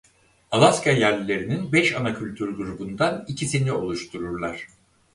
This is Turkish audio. Alaska yerlilerinin beş ana kültür grubundan ikisini oluştururlar.